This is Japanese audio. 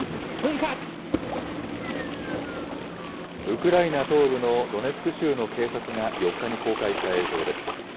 ウクライナ東部のドネツク州の警察が、４日に公開した映像です。